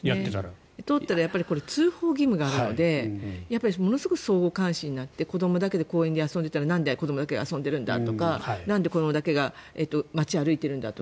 通ったら通報義務があるのでものすごい相互監視になって子どもだけで公園で遊んでいたらなんで子どもだけ遊んでるんだとか子どもだけ街を歩いてるんだ